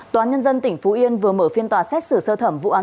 tòa nhân dân tỉnh phú yên vừa mở phiên tòa xét xử sơ thẩm vụ án